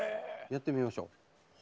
やってみましょう。